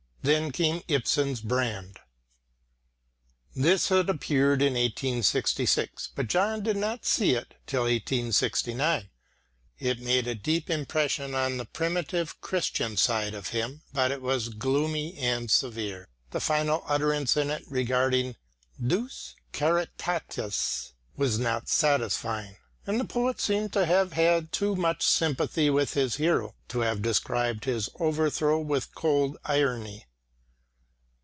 Then came Ibsen's Brand. This had appeared in 1866, but John did not see it till 1869. It made a deep impression on the primitive Christian side of him, but it was gloomy and severe. The final utterance in it regarding "Deus caritatis" was not satisfying, and the poet seemed to have had too much sympathy with his hero to have described his overthrow with cold irony.